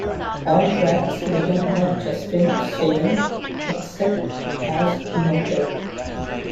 All tracks written by Justin Sane except as noted.